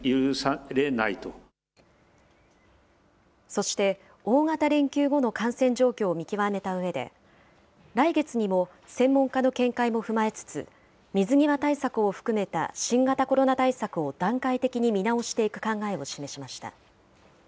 そして、大型連休後の感染状況を見極めたうえで、来月にも、専門家の見解も踏まえつつ、水際対策を含めた新型コロナ対策を段階的に見直していく考えを示しました。